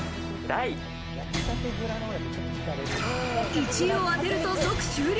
１位を当てると即終了。